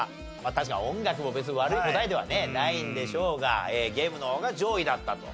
確かに音楽も別に悪い答えではねないんでしょうがゲームの方が上位だったと。